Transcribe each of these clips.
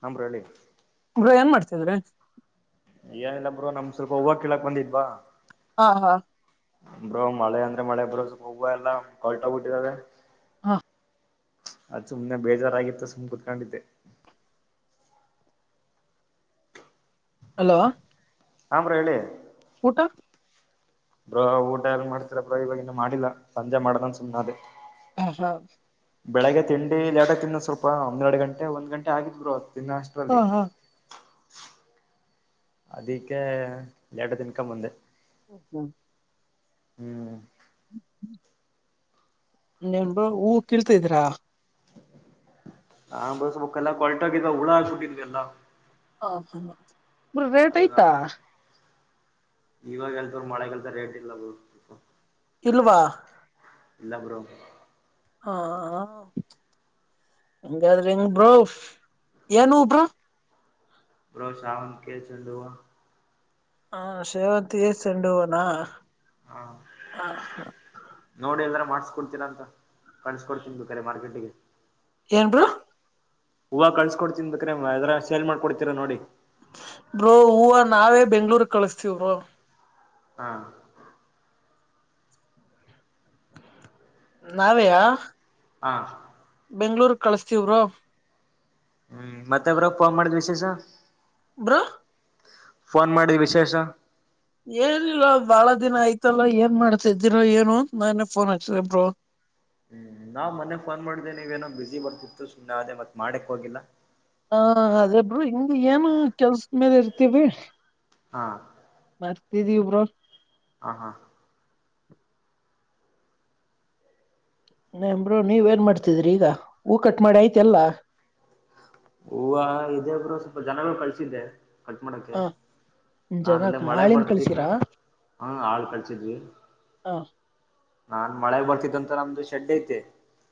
ಹ್ರಳ್ಳಿ ಗ ಏನ್ ಮಾಡ್ತಿದ್ರಿ ಏನಿಲ್ಲ ಬ್ರೋ ನಮ್ ಸ್ವಲ್ಪ ಹೋಗ್ ಕೇಳಾಕ್ ಬಂದಿದ್ವಾ ಹಾ ಹಾ ಅ್ರ ಮಳೆ ಅಂದ್ರೆ ಮಳೆ ಬ್ರೋ ಸ್ವಲ್ಪ ಹವು ಎಲ್ಲ ಕಲ್ಟಬಿಟ್ಟಿದಾವ ಹಾ ಅದು ಸುಮ್ನೆ ಬೇಜಾರಾಗಿತ್ತು ಸು್ ಕುೂತ್ಕೊಂಡಿದ್ದೆ ಹಲೋ ಹಮ್ರ ಹೇಳಿ ಊಟ ಬ್ರೋ ಊಟ ಎಲ್ಲ ಮಾಡ್ತೀರ ಬ್ರೋ ಇವಾಗ ಇನ್ನು ಮಾಡಿಲ್ಲಾ ಸಂಜೆ ಮಾಡ್ದನ್ ಸುಮ್ಮ್ಾದೇ ಹಷ ಬೆಳಗ್ ತಿಂಡಿ ಲೇಟಾಗಿಿ ತಿಿಂದ ಸ್ವಲ್ಪ ಒಂದ್ರಡು ಗಂ ಒಂದು ಗಂಟೆ ಆಗಿದ್ರುದು ಹಾ ತಿನಷ್ಟಲ್ಲಿ ಹಾ ಅದಿಕ್ಕೆ ಎಡದ ಇನ್ಕಮ್ ಅಂದೆ ಹ್ಮ ಹ್ಮ್ ನಿನ್ ಹೂ ಕಳ್ತಿದ್ರಾ ಹಾಂಗ್ ಬಸ್ ಒಲ್ಲ ಕೊಲ್ಟಾಗ ಇದ ಹುಳ ಆಕ್ಬಿಟ್ಟಿದ್ ಎಲ್ಲ ಹ ಹ ಬ ರತ ಅದೆಲ್ಲ ಆಯ್ತಾ ಇವಾಗ ಎಲ್ತರು ಮಳೆೆಗೆಲ್ತ ರೇಟ್ ಇಲ್ಲ ಬ ಇಲ್ವಾ ಇಲ್ಲ ಬ್ರೋ ಹಾ ಹಾ [unintelligible] ಹಂಗಾದ್ರೆಂಗ್ ಬ್ರಾ ಏನು ಬ್ರಾ [unintelligible] ಬ್ರೋ ಶ ಅವಂತ ಕೇಳ್ಸಲ್ಲುವ [unintelligible] ಹಾ ಸೇವಂತ ಸೆಂಡ ಹೋಣ ಹಾ ಹ ನೋಡಿ ಅಂದ್ರ ಮಾಡಸ್ಕೊಡ್ತೀನ ಅಂತ ಕಾಣಿಸ್ಕಡ್ತನಿ ಬದು ಕರೆ ಮಾರ್ಕೆಟಿಗೆ ಏನ ಬ್ರಾ ಹೂವ ಕಳ್ಸಕ ಕೊಡ್ತನ್ ಬಕ್ರೆ ಅದ್ರ ಸೇಲ್ ಮಾಡ್ಕೊಡ್ತೀರ ನೋಡಿ ಬ್ರೋ ಹೂವ ನಾವೇ ಬೆಂಗಳೂರು ಕಳಸ್ತೀವ್ರೋ ಹಾ ನಾವೆಯಾ ಹಾ ಬೆಂಗಳೂರು ಕಳಸ್ತವ್ರೋ ಹ್ಮ್ ಮತ್ತಬ್ರ ಪ ಮಾಡಿದ್ ವಿಶೇಷ ಬ್ರಾ ಫೋನ್ ಮಾಡಿದ ವಿಶೇಷ ಏನಿಲ್ಲ ಬಾಳ ದಿನ ಆಯ್ತಲ್ಲ ಏನ್ ಮಾಡ್ತಿದ್ದೀರ ಏನು ಅಂತ ನಾನೇ ಫೋನ್ ಹಾಥೆ ಬ್ರಾ ಹ್ಮ್ ನಾವ್ ಮೊ ಫೋನ್ ಮಾಡ್ದೇನೆ ನೀವೇಏನೋ ಬಿಸಿಬರ್ತಿತ್ತು ಸುಮ್ನೆ ಅದೇ ಮತ್ ಮಾಡಕ್ ಹೋಗಿಲ್ಲಾ ಹಾ ಅದೇಬ್ರು ಹಂಗ್ ಏನು ಕೆಲ್ಸ ಮೇಲೆ ಇರ್ತೀವಿ ಹಾ ಆತಿದ್ದಿ ಬ್ರಾ ಹ ಹಾ ನ ಬ್ರರು ನೀವ ಏನ್ ಮಾಡ್ತಿದ್ರಿ ಈಗ ಹಊಕಟ್ ಮಾಡಿ ಆಐತಿ ಎಲ್ಲಾ ಹೂವ ಇದೇ ಒಬ್ರು ಸ್ವಲ್ಪ ಜನಗಳು ಕಳ್ಸಿದ್ದೆ ಕಟ್ ಮಾಡಕ್ಕೆ ಹ ಜನ ನಾನ್ಲ್ಲ ಮಳೆ ಆಳಿನ ಬರ್ತಿದ್ದ ಕಳ್ಸಿರಾ ಹ ಹಾಳ್ ಕಳ್ಸಿದ್ವಿ ಹ ನಾನ್ ಮಳೆ ಬರ್ತಿದ್ದ ಅಂತ ನಮ್ದು ಶೆಡ್ ಐತೆ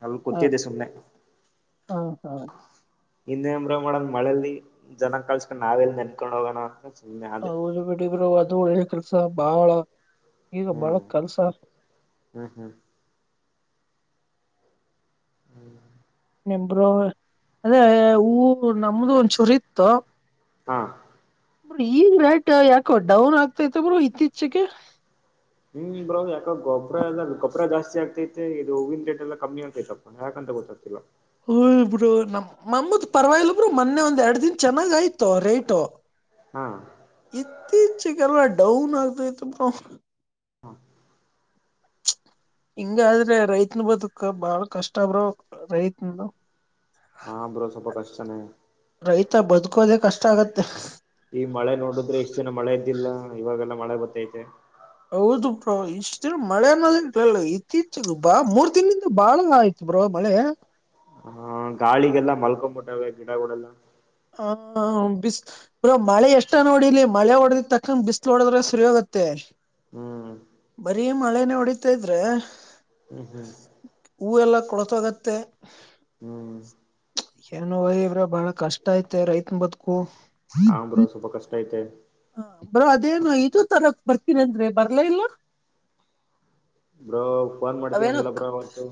ಅಲ್ ಗೊತ್ತಿದ್ದತೆ ಸುಮ್ಮ್ನೆ ಹಾ ಹಾ ಇನ್ನೇಮ್ರ ಮಾಡಂಗ ಮಳೇಲಿ ಜನ ಕಳ್ಸ್ಕೊಂಡ್ ನಾವೆ ಎಲ್ಲಿ ನೆನ್ಕೊಂಡ್ ಹೋಗೋಣ ಅಂತ ಸುಮ್ನೆ ಹ ಆದೆ. ಬಿಟ್ಟರು ಅದು ಒಳ್ಳೆ ಕೆಲ್ಸ ಬಾಳ ಈಗ ಬಾಳ ಹ್ಮ್ ಕೆಲ್ಸ ಹ್ಮ್ ಹ್ಮ್ ನಿರು ಅದೇ ಹೂ ನಮ್ದು ಒಂದಚೂರಿ ಇತ್ತು ಹಾ ಬ್ರ ಈಗ ರೇಟ್ ಯಾಕೋ ಡೌನ್ ಆಗ್ತೈತೆ ಬ್ರೂ ಇತ್ತೀಚೆಗೆ ಹ್ಮ್ ಬ್ರೋ ಯಾಕ ಗೊಬರ ಎಲ್ಲ ಗೊಬ್ಬರ ಜಾಸ್ತಿ ಆಗ್ತತಿ ಮತ್ತ ಇದು ಹೂನ್ ಟೇಟ್ ಎಲ್ಲ ಕಮ್ಮಿ ಆಗ್ತೈತಪ್ಪ ಯಾಕಂತ ಗೊತ್ತಾಗ್ತಿಲ್ಲ ಹ ಇಬ್ರರು ನಮ್ ನಮ್ಮತ್ ಪರವಾಗಿಲ್ಬರು ಮೊನ್ನೆ ಒಂದ್ ಎರಡು ದಿನ ಚೆನ್ನಾಗ್ ಆಯ್ತು ರೇಟ ಹಾ ಇತ್ತೀಚೆಗೆಲ್ಲ ಡೌನ್ ಆಗ್ತೈತ್ತು ಬ್ರ ಹಾ ಹಿಂಗಾದ್ರೆ ರೈತನ ಬದುಕ್ ಬಾಳ ಕಷ್ಟಬ್ರ ರೈತ [unintelligible] ಹಾ ಬ್ರೋ ಸ್ವಲ್ಪ ಕಷ್ಟನೇ ಮತ್ತ ಬದುಕೋದ ಕಷ್ಟ ಆಗತ್ತೆ ಈ ಮಳೆ ನೋಡಿದ್ರೆ ಇಷ್ಟ್ ಜನ ಮಳೆ ಇದ್ದಿಲ್ಲ ಇವಾಗೆಲ್ಲಾ ಮಳೆ ಗೊತ್ತೈತೆ ಹೌದು ಬ್ರೋ ಇಷ್ಟ ದಿನ ಮಳೆನ್ನ ಇತ್ತೀಚೆಗೆ ಬ ಮೂರ್ ದಿನದಿಂದ ಬಾಳ ಆಯ್ತು ಬ್ರೋ ಹಳಯಾ ಹ ಗಾಳಿಗೆಲ್ಲ ಮಲ್ಕೊಂಬಿಟ್ಟೆ ಗಿಡಗಳಲ್ಲ ಹ ಬಿಸ್ ಪ ಮಳೆ ಎಷ್ಟ ನೋಡಿಲ್ಲಿ ಮಳೆ ಹೊಡದ ತಕ್ಕ ಬಿಸ್ಲು ಹೊಡದ್ರೆ ಸರಿಯೋಗುತ್ತ ಹ್ಮ್ ಮ ಬರೀ ಮಳೆನೇ ಹೊಡಿತಾ ಇದ್ರೆ ಹ್ಮ್ ಹ್ಮ್ ಕೊಳತಗತ್ತೆ ಹ್ಮ್ ಏನೋ ಇವ್ರ ಬಹಳ ಕಷ್ಟ ಐತೆ ರೈತ ಬದುಕು ಹ ಬ್ರೋ ಸ್ವಲ್ಪ ಕಷ್ಟ ಐತೆ ಹ ಬ್ರೋ ಅದೇನು ಇದ ತರ ಬರ್ತೀನಂದ್ರೆ ಬರ್ಲ ಇಲ್ಲ ಬ್ರೋ ಫೋನ್ ಮಾಡ್ತೀನಿ ಅವೇನು ಹಂಗಲ್ಲ ಬ್ರೋ ಹೊತ್ತುು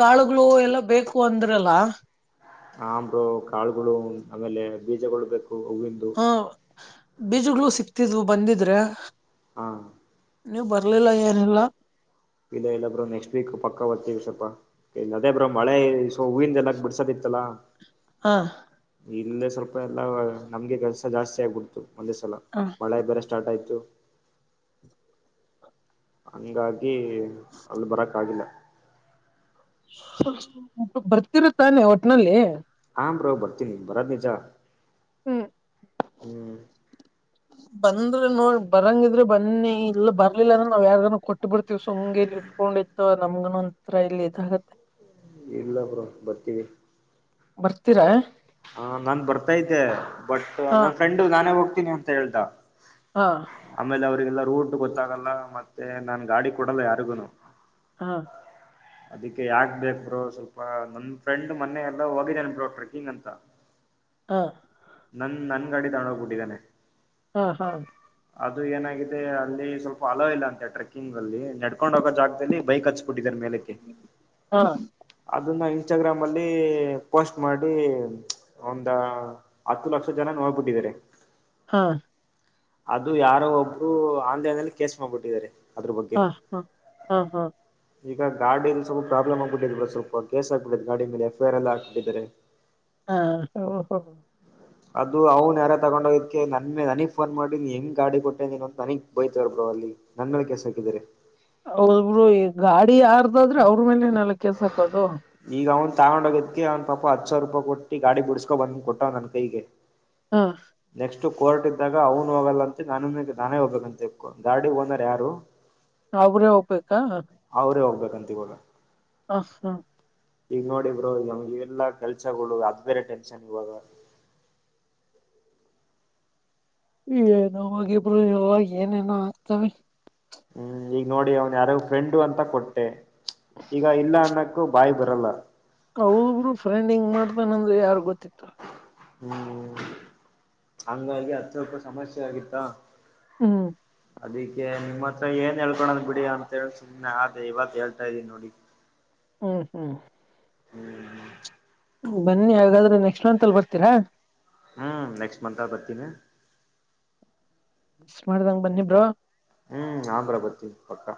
ಕಾಳುಗಳು ಎಲ್ಲ ಬೇಕು ಅಂದ್ರಲ್ಲ ಆ ಆಂಬ್ರ ಕಾಳುಗಳು ಆಮೇಲೆ ಬೀಜಗಳು ಬೇಕು ಹೂವಿಂದು ಹಾ ಬೀಜಗ್ಗಳು ಸಿಕ್ತಿದ್ವು ಬಂದಿದ್ರೆ ಹಾ ನೀವು ಬರ್ಲಿಲ್ಲ ಏನೆಲ್ಲ ಇಲ್ಲ ಇಲ್ಲ ಬ್ರೋ ನೆಕ್ಸ್ಟ್ ವೀಕ್ ಪಕ್ಕ ಬರ್ತತಿವಿ ಸ್ವಲ್ಪ ಇಲ್ಲ ಅದೇ ಬ್ರೋ ಮಳೆ ಹೂವಿಂದ ಎಲ್ಲಾ ಬಿಡ್ಸದಿ ಲ ಹಾ ಇಲ್ಲ ಸ್ವಲ್ಪ ಎಲ್ಲಾ ನಮ್ಗೆ ಕೆಲಸ ಜಾಸ್ತಿ ಆಗ್ಬಿಡ್ತು ಒಂದೇ ಸಲ ಹ ಮಳೆ ಬೇರೆ ಸ್ಟಾರ್ಟ್ ಆಯ್ತು ಹಂಗಾಗಿ ಅಲ್ ಬರಕ್ಕಾಗಿಲ್ಲ ಬರ್ತಿರು ತಾನೆ ಒಟ್ನಲ್ಲಿ ಭರ್ತೀನಿ ಭರತನಚ ಹ್ಮ್ ಬಂದ್ರೆ ನೋಡ್ ಬರಂಗಿದ್ರೆ ಬನ್ನಿ ಇಲ್ಲ ಬರ್ಲಿಲ್ಲ ಅ್ರ ನಾವ್ ಯಾರ್ಗಾನ ಕೊಟ್ಟ ಬಿಡ್ತಿವಿ ಸುಮ್ ಇಟ್ಕೊಂಡಿದ್ದು ನಮ್ಗನ್ ಒಂರ ಇಲ್ಲಿ ಇದಾಗತ್ತೆ ಇಲ್ಲ ಬ್ರ ಬರ್ತೀವಿ ಬರ್ತೀರಾ ಹ ನಾನ್ ಬರ್ತಾತೆ ಬಟ್ ಹಾ ನನ್ ಫ್ರೆಂಡು ನಾನೇ ಹೋಗ್ತೀನಿ ಅಂತ ಹೇಳ್ತಾ ಹಾ ಲ್ಲ ರೂಟ್ ಗೊತ್ತಾಗಲ್ಲ ಮತ್ತೆ ನಾನನ್ ಗಾಡಿ ಕೊಡಲ್ಲ ಯಾರಿಗುನು ಹಾ ಅದಕ್ಕೆ ಯಾಕ್ ಬೇಕ್ರೋ ಸ್ವಲ್ಪ ನನ್ ಫ್ರೆಂಡ್ ಮೊನ್ನೆಯ ಎಲ್ಲ ಹೋಗಿದ್ದೇನ್ ಬ್ರೋ ಟ್ರೆಕ್ಕಿಂಗ್ ಅಂತ ಹಾ ನನ್ ನನ್ ಗಾಡಿ ತೊಂಡ ಹೋಗ್ಬಿಟ್ಟಿದ್ದೇನೆ ಹಾ ಹಾ ಅದು ಏನಾಗಿದೆ ಅಲ್ಲಿ ಸ್ವಲ್ಪ ಅಲಾವ ಇಲ್ಲ ಅಂತೆ ಟ್ರೆಕ್ಕಿಂಗ್ ಅಲ್ಲಿ ನಡ್ಕೊಂಡ ಹೋಗೋ ಜಾಗದಲ್ಲಿ ಬೈಕ್ ಹಚ್ಚಿಬಿಟ್ಟಿದ್ದಾರೆ ಮೇಲಕ್ಕೆ ಹಾ ಅದನ್ನ ಇನ್ಸ್ಟಾಗ್ರಾಮ್ ಅಲ್ಲಿ ಪೋಸ್ಟ್ ಮಾಡಿ ಪ್ಚ್ ಒಂದ ಹತ್ತು ಲಕ್ಷ ಜನ ನೋವಬಿಟ್ಟಿದ್ದಿರಿ ಹಾ ಅದು ಯಾರೋ ಒಬ್ಬರು ಆನ್ಲೈನ್ ಅಲ್ಲಿ ಕೇಸ್ ಮಾಡಬಿಟ್ಟಿದಾರೆ ಹಾ ಹಾ ಹಾ ಹಾ ಈಗ ಗಾಡಲ್ಲಿ ಸ್ವಲ್ಪ ಪ್ರಾಬ್ಲಮ್ ಆಗ್ಬಿಟ್ಟಿದೆ ಸ್ವಲ್ಪೇ ಕೇಸ್ ಆಗಿಬಿಟ್ಟಿದೆ ಗಾಡಿ ಮಲೆ ಎಫ್ಐಆರ್ ಎಲ್ಲ ಹಾಕಬಿಟ್ಟಿದ್ದಾರೆ ಹಾ ಹೋ ಹೋ ಅದು ಅವ್ನು ಯಾರ ತಗೊಂಡ ಹೋಗಿದಕ್ಕೆ ನನ್ ನನಗ್ ಫೋನ್ ಮಾಡಿ ನೀ ಹೆಂಗ್ ಗಾಡಿ ಕೊಟ್ಟೆನ ನೀನ ನನಗ್ ಬೈತಾರೆ ಬ್ರೋ ಹೋಗ್ಲಿ ನನ್ನ ಮೇಲೆ ಕೇಸ್ ಹಾಕಿದಾರೆ ಹೌದ ಬ್ರೋ ಈ ಗಾಡಿ ಯಾರದಾದ್ರೆ ಅವ್ರ ಮೇಲೆ ನಲ್ಲ ಕೇಸ್ ಹಕೋದು ಈಗ ಅವ ತಗೊಂಡ ಹೋಗದಕ್ಕೆ ಅವ ಪಾಪಾ ಹತ್ತ ಸಾವರ ರೂಪಾಯಿ ಕೊಟ್ಟ ಗಾಡಿ ಬಿಡ್ಸ್ಕೊ ಬಂದ್ ಕೊಟ್ಟ ಅವ ನನ್ ಕೈಗೆ ಹಾ ಇತ್ತು ಕೋರ್ಟ್ ಇದ್ದಾಗ ಅವನು ಹೋಗಲ್ಲ ಅಂತ ನಾನುಗೆ ನಾನೇ ಹೋಗ್ಬೇಕ ಅಂತ ಗಾಡಿ ಓನರ್ ಯಾರು ಅವರೇ ಹೋಗಬೇಕು ಅವರೆ ಹೋಗ್ಬೇಕಂತೆ ಇವಾಗ ಹ್ಹ ಹ್ಹಾ ಈಗ ನೋಡಿ ಬ್ರೋ ಇವೆಲ್ಲಾ ಕೆಲ್ಸಗಳು ಅದು ಬೇರೆ ಟೆಷನ್ ಇವಾಗಾ [inaudible] ಏನೋ ಹೋಗಿ ಬ್ರೋ ಯೂ ಏನೇನೋ ಆಕ್ತವೆ ಹು ಈಗ ನೋಡಿ ಅವನ ಯಾರ ಫ್ರೆಂಡು ಅಂತ ಕೊಟ್ಟೆ ಈಗ ಇಲ್ಲ ಅನ್ನಕ್ಕು ಬಾಯಿ ಬರ್ ತಲ್ಲಾ ಅವಬ್ರು ಫ್ರೆಂಡ್ ಹಿಂಗ್ ಮಾಡ್ತಾನಂದ್ರೆ ಯಾರು ಗೊತ್ತಿತ್ತು ಹು ಹಂಗಾಗಿ ಹತ ಹೊಕ್ಕು ಸಮಸ್ಯೆ ಆಗಿತ್ತ ಹು ಅದಿಕ್ಕೆ ನಿಮ್ಮ ಹತ್ರ ಏನ ಹೇಳ್ಕೊಳದ ಬಿಡಿ ಅಂತೇಳಿ ಸುಮ್ನೆ ಆದೆ ಇವತ್ತು ಹೇಳ್ತಾ ಇದೀನಿ ನೋಡಿ ಹು ಹು ಹು ಹು ಬನ್ನಿ ಹಾಗಾದ್ರೆ ನೆಕ್ಸ್ಟ್ ಮಂತ್ ಅಲ್ಲಿ ಬರ್ತೀರಾ ಹು ನೆಕ್ಸ್ಟ್ ಮಂತ್ ಬರ್ತೀನಿ ಮಿಸ ಮಾಡ್ದಂಗ ಬನ್ನಿ ಬ್ರೋ ಹು ಹಾ ಬ್ರೋ ಬರ್ತೇನಿ ಪಕ್ಕಾ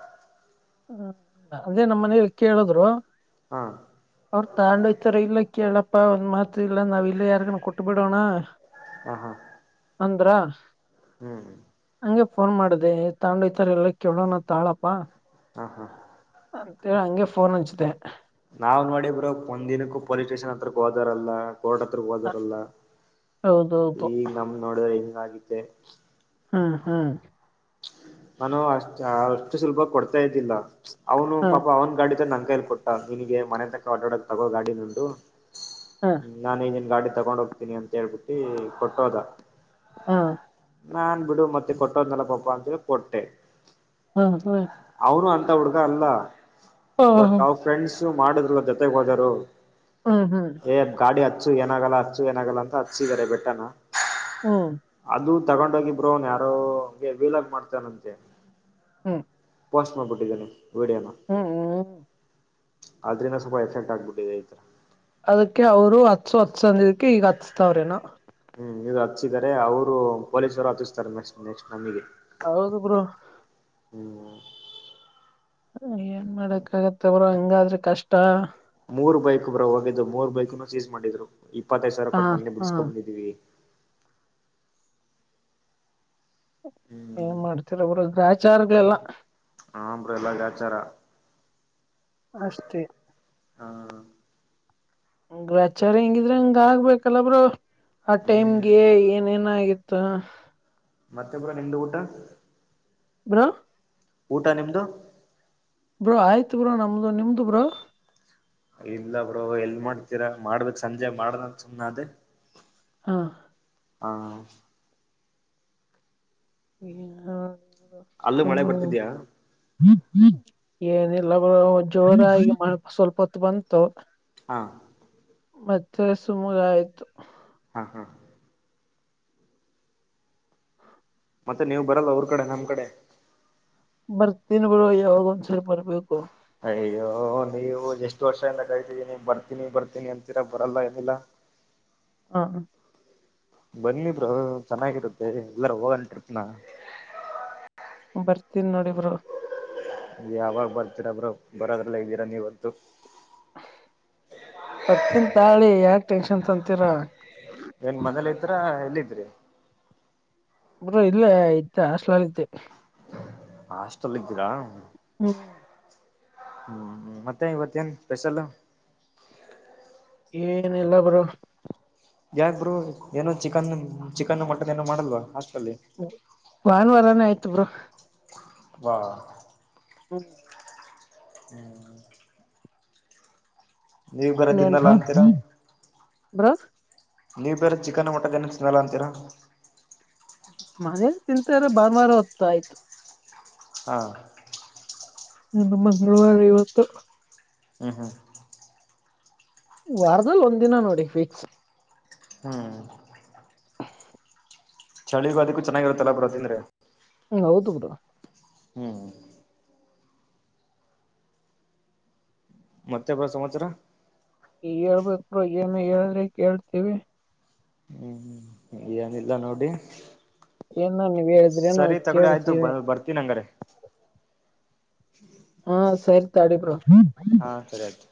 ಹು ನಾ ಅದೇ ನಮ್ಮ ಮನನೆಲಿ ಕೇಳಿದ್ರು ಹಾ ಅವರು ತಗೊಂಡಹೋಯತ್ತಾರೆಲ್ಲ ಇಲ್ಲ ಕೇಳು ಅಪ್ಪ ಒಂದ ಮಾತ ಇಲ್ಲ ನಾವ್ ಇಲ್ಲ ಯಾರಿಗ ಕೊಟ್ಟ್ ಬಿಡೋಣ ಹ ಹ ಅಂದ್ರಾ ಹು ಹು ನಂಗೆ ಫೋನ್ ಮಾಡಿದೆ ತಗೊಂಡುಹೊಯತಾರಿಲ್ಲ ಎಲ್ಲ ಕೇಳೋಣ ತಗೋಳಪ್ಪಾ ಹಾ ಹಾ ಅಂತೇಳಿ ಹಂಗೆ ಫೋನ್ ಹಚ್ಚಿದೆ ನಾವ ನೋಡಿ ಬ್ರೋ ಒಂದ ದಿನಕ್ಕೂ ಪೊಲೀಸ್ ಸ್ಟೇಷನ್ ಹತ್ರಕ್ಕೆ ಹೋದರಲ್ಲಾ ಕೋರ್ಟ್ ಹತ್ರ ಹೋದರಲ್ಲ ಹೌದೌದು ಈ ನಮ್ಮ ನೋಡಿದ ಹಿಂಗ ಆಗೆತೆ ಹ್ಮ್ ಹ್ಮ್ ಪ್ಚ್ ನಾನು ಅಷ್ಟ ಅಷ್ಟು ಸುಲಭ ಕೊಡ್ತಾ ಪ್ಚ್ ಇದಿಲ್ಲಾ ಅವನು ಹ್ಮ್ ಪಾಪ ಅವನ್ ಗಾಡಿತಂದ ನಂಗ ತ್ತೇಳಿ ಕೊಟ್ಟ ನಿನಗೆ ಮನೆತಕ ಅಡ್ಡಾಡಕ್ ತಗೋ ಗಾಡಿ ದುಡ್ಡು ಹ್ಮ್ ನಾನ್ ಇದನ್ ಗಾಡಿ ತಗೊಂಡ್ ಹೋಗ್ತೀನಿ ಅಂತ ಹೇಳ್ಬಿಟ್ಟಿ ಕೊಟ್ಟೋದಾ ಹಾ ನಾನ್ ಬಿಡು ಮತ್ತೆ ಕೊಟ್ಟೋನೆ ಪಾಪಾ ಅಂತ ಹೇಳಿ ಕೊಟ್ಟೆ ಹ ಹ ಅವನು ಅಂತ ಹುಡ್ಗ ಅಲ್ಲ ಬಟ್ ಅವ್ ಫ್ರೆಂಡ್ಸ ಮಾಡುದ್ರು ಜೊತೆಗ್ ಹೋದಿರೋರು ಹ್ಮ್ ಹ್ಮ್ ಏ ಗಾಡಿ ಹಚ್ಚು ಏನಾಗಲ್ಲ ಹಚ್ಚು ಏನಾಗಲ್ಲ ಅಂತ ಹಚ್ಚಸಿದ್ದಾರೆ ಬೆಟ್ಟನ ಹ್ಮ ತಗೊಂಡೋಗಿಬ್ರರು ಅವನ್ ಯಾರೋ ಹಂಗೆ ವೀಲಗ್ ಮಾಡ್ತಾನಂತೆ ಹ್ಮ್ ಪೋಸ್ಟ್್ಮ ಪಟ್ಟಿಿದ್ದರೆ ಹಾ ಹ್ಮ ಆದ್ರಿಂದ ಸ್ವಲ್ಪ ಎಫೆಕ್ಟ್ ಆಗ್ಬಿಟ್ಟಿದೆ ಈ ತರ ಅದಕ್ಕೆ ಅವರು ಹತ್ಸ ಹತ್ಸ ಅಂದಿದಕ್ಕೆ ಈಗ ಹತ್ಸ್ತಾವ್ರೇನ ಹ್ಮ್ ಇದು ಹಚ್ಚಿದಿದ್ದಾರೆ ಅವರು ಪೊಲೀಸರು ಹತ್ತಿಸ್ತಾರೆ ನೆಕ್ಸ್ಟ್ ನೆಕ್ಸ್ಟ್ ನಮಗೆ ಹೌದು ಬರು ಹ್ಮ್ ಏನ್ ಮಾಡಕ್ ಆಗತ್ತ ಅವರು ಹಂಗಾದ್ರೆ ಕಷ್ಟ ಮೂರ್ ಬೈಕ್ು ಬ್ರಾ ಹೋಗಿದ್ದು ಮೂರ್ ಬೈಕನು ಚೀಸ್ ಮಾಡಿದ್ರು ಇಪ್ಪತ್ತೈದು ಸಾವಿರ ಹಾ ಕೊಟ್ಟ ಮೊೆ ಹಾ ಬಿಡಿಸ್ಕೊಬಂದಿದ್ದೀವಿ ಏನ್ ಹ್ಮ್ ಮಾಡ್ತರರ ಗ್ರ ಆಚಾರಗೆಲ್ಲ ಆಂಬ್ರ ಎಲ್ಲ ಗಾಚಾರ ಅಷ್ಟೇ ಹಾ ವ್ಯಾಚಾರ ಹೆಂಗಿದ್ರ ಹಂಗ ಆಗ್ಬೇಕಲ್ಲಬ್ರ ಆ ಹ್ಮ್ ಟೈಮ್ಗೆ ಏನೇನ್ ಆಗ ಹ ಮತ್ತೆಬರ ನಿಮ್ದ ಊಟ ಹ್ರ ಊಟ ನಿಮ್ದು ಬ್ರೋ ಆಯ್ತು ಬ್ರೋ ನಮ್ದು ನಿಮ್ದು ಬ್ರೋ ಇಲ್ಲ ಬ್ರ ಎಲ್ ಮಾಡ್ತೀರಾ ಮಾಡ್ಬೇಕಕ್ ಸಂಜೆ ಮಾಡನ ಸುಮ್ನೆ ಅದೇ ಹಾ ಹ ಹ ಅಲ್ಲೂ ಮಳೆ ಬರ್ತಿದ್ಯಾ [unintelligible] ಏನಿಲ್ಲ ಜೋರಾಗಿಪ ಸ್ವಲ್ಪ ಹೊತ್ತು ಬಂತು ಹಂ ಮತ್ತೆ ಸುಮಗ ಆಯ್ತು ಹಾ ಹಾ ಮತ್ತೆ ನೀವು ಬರಲ್ಲ ಅವ್ರ ಕಡೆ ನಮ್ಮ ಕಡೆ ಬರ್ತೀನ್ಿ ಬಿಡ ಯಾವಾಗ ಒಂದ್ಸರಿ ಬರ್ಬೇಕು ಅಯ್ಯೋ ನೀವು ಎಷ್ಟು ವರ್ಷದಿಂದ ಕರಿತೀಿ ನೀ ಬರ್ತೀನಿ ಬರ್ತೀನಿ ಅಂತೀರ ಬರಲ್ಲ ಏನಿಲ್ಲ ಹ ಹ ಬಂದಿದ್ರರು ಚೆನ್ನಾಗಿರುತ್ತೆ ಎಲ್ಲಾರ ಹೋಗನ್ ಟ್ರಿಪ್ನ ಬರ್ತೀನಿ ನೋಡಿ ಇಬ್ರು ಯಾವಾಗ ಬರ್ತೀರಬ್್ರ ಬರೋದ್ರಲ್ಲ ಇದ್ದೀರಾ ನೀವತ್ತುು ಬರ್ತೀನ ತಾಳಿ ಯಾಕ ಟೆನ್ಷನ್ ತಂತೀರ ಎನ್ ಮನೇಲ ಇದ್ರ ಎಲ್ಲಿದ್ರಿ ಬರ ಇಲ್ಲೇ ಐತ ಅಸ್ಲತೆ [unintelligible] ಹಾಸ್ಟೆಲ್ ಇದ್ದೀರಾ ಹ್ಮ್ ಹ್ಮ್ ಮತ್ತೆ ಇವತ್ತೇಏನ್ ಸ್ಪೆಷಲ್ ಏನ್ ಎಲ್ಲ ಬರು ಯಾಕ್ ಬರು ಏನೋ ಚಿಕನ್ ಚಿಕನ್ ಮಟನ್ ಏನೋ ಮಾಡಲ್ವಾ ಭಾನುವಾರಾನೇ ಆಯ್ತು ಬ್ರ ವಾ ಹ್ಮ ಹ್ಮ್ ನೀವ ಬರೋದನ್ನಲ್ಲ ನೆನ್ಪು ಅಂತೀರಾ ಬ್ರೋ ಬ್ರೋ ನೀವು ಬೇರೆ ಚಿಕನ್ ಮಟನ್ ಏನು ಸ್ಮಲ್ಲ ಅಂತೀರಾ ಮನೇಲಿ ತಿಂತ್ರ ಬಾನುವರ ಹ ಹೊದ್ತ ಆಯ್ತು ಹಾ ಇನ್ನು ಮಂಗಳವಾರ ಇವತ್ತು ಹ್ಮ ಹ್ಮ ವಾರದಲ್ಲಿ ಒಂದ್ ದಿನ ನೋಡಿ ಫಿಕ್ಸ್ ಹ್ಮ್ ಚಳಿಗೂ ಅದಕ್ಕೂ ಚೆನ್ನಾಗಿರುತ್ತಲ್ಲ ಪ್ರತೀಂದ್ರೆ ಹ್ಮ ಹೌದು ಬುರ ಹ್ಮ್ ಮತ್ತೆ ಬರ ಸಂತ್ಸರ ಈ ಹೇಳ್ಬೇಕ ಏನು ಹೇಳ್ರೆ ಕೇಳ್ತೀವಿ ಹ್ಮ್ ಏನಿಲ್ಲ ನೋಡಿ ಏನ ನೀವ್ ಹೇಳಿದ್ರೇನೋ ಸರಿ ತಗೊಳ್ಳ ಆಯ್ತು ಬ ಕೇಳ್ತೀವಿ ಬರ್ತೀನ ಹಂಗಾರೆ ಹ್ಮ್ ಹಾ ಸರಿ ತಡಿ ಬ್ರೋ ಹಾ ಸರಿ ಆಯ್ತು